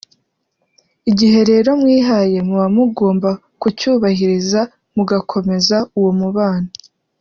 igihe rero mwihaye muba mugomba kucyubahiriza mugakomeza uwo mubano